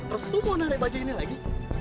restu mau narik baja ini lagi